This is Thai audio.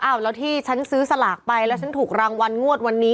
แล้วที่ฉันซื้อสลากไปแล้วฉันถูกรางวัลงวดวันนี้